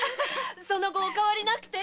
その後お変わりなくて？